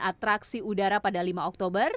atraksi udara pada lima oktober